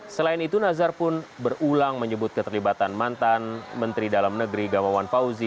selain itu nazar pun berulang menyebut keterlibatan mantan menteri dalam negeri gamawan fauzi